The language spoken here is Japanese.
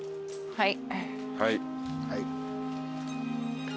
はい。